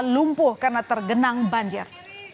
lumpuh karena tergenang banjir